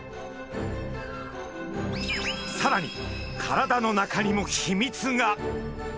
さらに体の中にも秘密が！